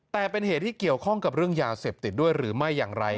แต่เป็นเหตุที่เกี่ยวข้องกับเรื่องยาเสพติดด้วยหรือไม่อย่างไร